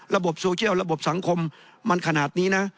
ระบบโซเชียลระบบสังคมมันขนาดนี้นะ